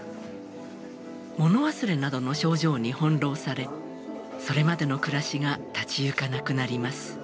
物忘れなどの症状に翻弄されそれまでの暮らしが立ち行かなくなります。